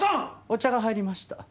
お茶が入りました。